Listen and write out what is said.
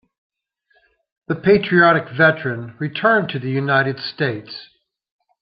The patriotic veteran returned to the United States.